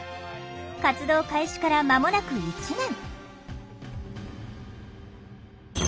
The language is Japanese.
活動開始から間もなく１年。